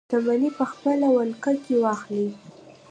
شتمنۍ په خپله ولکه کې واخلي.